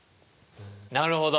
なるほど。